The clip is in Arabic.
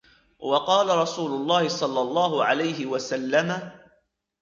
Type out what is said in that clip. وَقَالَ رَسُولُ اللَّهِ صَلَّى اللَّهُ عَلَيْهِ وَسَلَّمَ